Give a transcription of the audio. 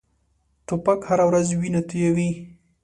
توپک هره ورځ وینه تویوي.